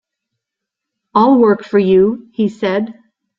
"I'll work for you," he said.